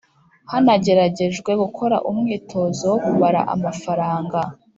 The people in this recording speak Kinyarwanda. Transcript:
hanageragejwe gukora umwitozo wo kubara amafaranga